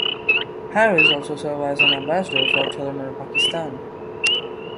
Haris also serve as an ambassador for Telenor Pakistan.